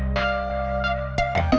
ya baik bu